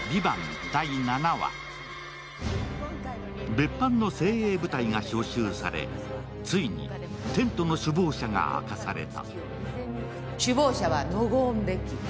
別班の精鋭部隊が召集されついにテントの首謀者が明かされた。